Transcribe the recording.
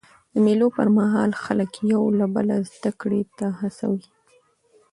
د مېلو پر مهال خلک یو له بله زدهکړي ته هڅوي.